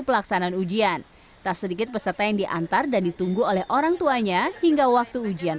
pelaksanaan ujian tak sedikit peserta yang diantar dan ditunggu oleh orang tuanya hingga waktu ujian